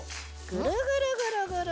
ぐるぐるぐるぐる。